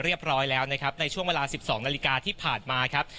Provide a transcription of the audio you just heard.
เรียบร้อยแล้วนะครับในช่วงเวลา๑๒นาฬิกาที่ผ่านมาครับ